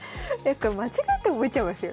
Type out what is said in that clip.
間違って覚えちゃいますよ